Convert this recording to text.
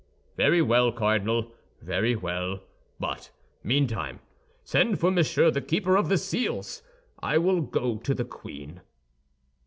"Very well, Cardinal, very well; but, meantime, send for Monsieur the Keeper of the Seals. I will go to the queen."